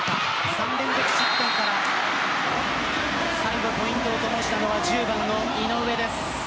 ３連続失点から最後ポイントを決めたのは１０番、井上です。